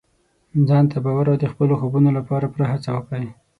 ځان ته باور او د خپلو خوبونو لپاره پوره هڅه وکړئ.